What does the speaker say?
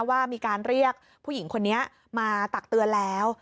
ว่ามีการเรียกผู้หญิงคนนี้มาตักเตือนแล้ว